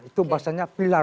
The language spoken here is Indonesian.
itu bahwasannya pilar